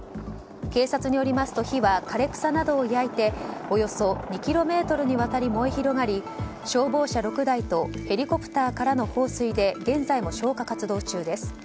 警察によりますと火は枯れ草などを焼いておよそ２ｋｍにわたり燃え広がり消防車６台とヘリコプターからの放水で現在も消火活動中です。